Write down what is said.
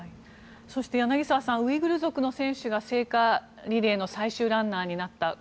そして柳澤さんウイグル族の選手が聖火リレーの最終ランナーになった。